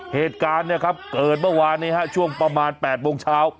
เหตุการณ์เกิดเมื่อวานนี้ช่วงประมาณ๘โมงเช้า